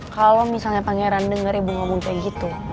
kalo misalnya pangeran denger ibu ngomong kayak gitu